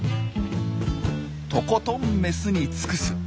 とことんメスに尽くす。